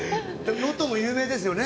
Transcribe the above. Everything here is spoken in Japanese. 能登も有名ですよね。